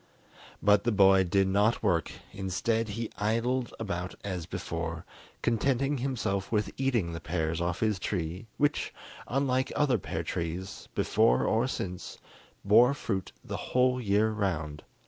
But the boy did not work; instead, he idled about as before, contenting himself with eating the pears off his tree, which, unlike other pear trees before or since, bore fruit the whole year round.